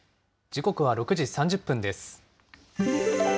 時刻は６時３０分です。